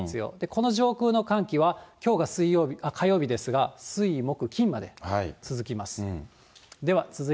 この上空の寒気はきょうが火曜日ですが、水、木、金まで続きます。